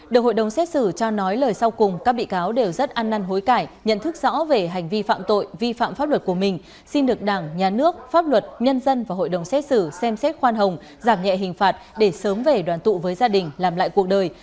được hội đồng xét xử cho nói lời sau cùng các bị cáo đều rất ăn năn hối cải nhận thức rõ về hành vi phạm tội vi phạm pháp luật của mình xin được đảng nhà nước pháp luật nhân dân và hội đồng xét xử xem xét khoan hồng giảm nhẹ hình phạt để sớm về đoàn tụ với gia đình làm lại cuộc đời